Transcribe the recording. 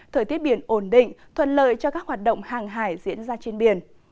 thời tiết biển ổn định thuận lợi cho các hoạt động hàng hải diễn ra trên biển